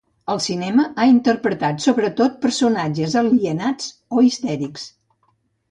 Al cinema, ha interpretat sobretot personatges alienats o histèrics.